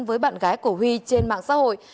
với bạn gái của huy trên mạng xã hội